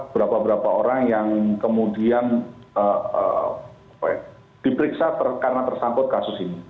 berapa berapa orang yang kemudian diperiksa karena tersangkut kasus ini